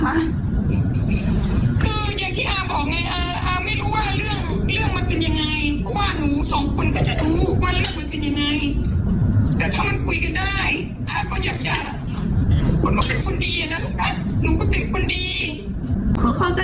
เป็นคนที่จะ